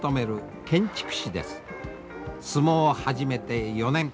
相撲を始めて４年。